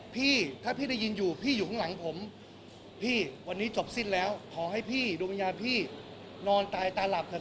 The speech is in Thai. พี่ถ้าพี่ได้ยินอยู่พี่อยู่ข้างหลังผมพี่วันนี้จบสิ้นแล้วขอให้พี่ดวงวิญญาณพี่นอนตายตาหลับเถอ